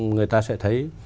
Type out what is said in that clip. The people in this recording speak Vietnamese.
người ta sẽ thấy